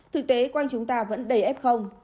thực tế quanh chúng ta vẫn đầy f